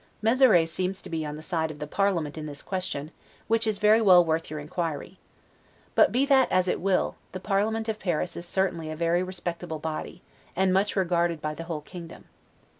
Mezeray seems to be on the side of the parliament in this question, which is very well worth your inquiry. But, be that as it will, the parliament of Paris is certainly a very respectable body, and much regarded by the whole kingdom.